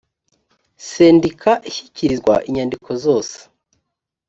sendika ishyikirizwa inyandiko zose